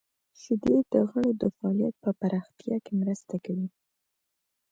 • شیدې د غړو د فعالیت په پراختیا کې مرسته کوي.